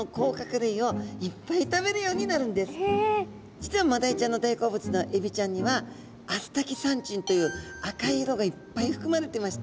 実はマダイちゃんの大好物のエビちゃんにはアスタキサンチンという赤い色がいっぱいふくまれてまして。